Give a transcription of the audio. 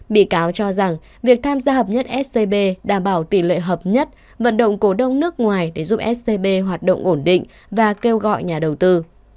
bị cáo cho rằng việc tham gia hợp nhất scb đảm bảo tỷ lệ hợp nhất vận động cổ đông nước ngoài để giúp scb hoạt động ổn định và kêu gọi nhà đầu tư